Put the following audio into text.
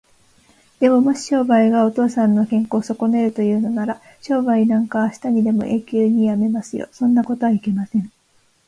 でも、もし商売がお父さんの健康をそこねるというのなら、商売なんかあしたにでも永久にやめますよ。そんなことはいけません。